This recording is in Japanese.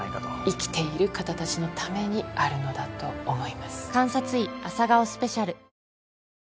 「生きている方たちのためにあるのだと思います」